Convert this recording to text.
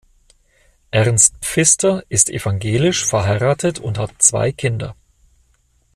Ernst Pfister ist evangelisch, verheiratet und hat zwei Kinder.